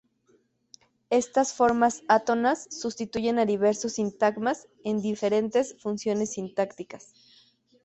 Estas formas átonas sustituyen a diversos sintagmas en diferentes funciones sintácticas.